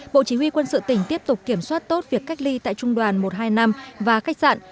bộ chỉ huy quân sự tỉnh tiếp tục kiểm soát tốt việc cách ly tại trung đoàn một trăm hai mươi năm và khách sạn